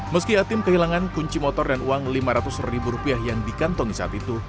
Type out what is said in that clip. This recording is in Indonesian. meski yatim kehilangan kunci motor dan uang lima ratus ribu rupiah yang dikantongi saat itu